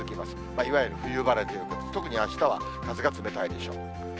いわゆる冬晴れということで、特にあしたは風が冷たいでしょう。